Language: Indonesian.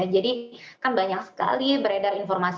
jadi kan banyak sekali beredar informasi